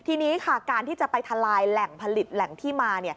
ทีนี้ค่ะการที่จะไปทลายแหล่งผลิตแหล่งที่มา